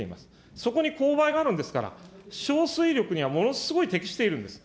そこに勾配があるんですから、しょうすいりょくにはものすごい適しているんです。